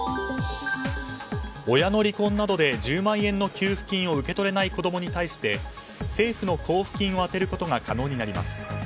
親の離婚などで１０万円の給付金を受け取れない子供に対して政府の交付金を充てることが可能になります。